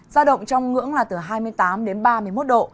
giao động trong ngưỡng là từ hai mươi tám đến ba mươi một độ